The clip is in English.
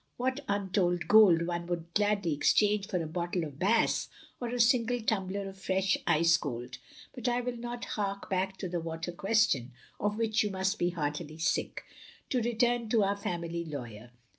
what untold gold one would gladly exchange for a bottle of Bass, or a single tumbler of fresh ice cold — but I will not hark back to the water question^ of which you must be heartily sick. ... To return to our family lawyer!